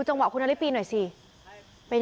ทั้งหมดนี้คือลูกศิษย์ของพ่อปู่เรศรีนะคะ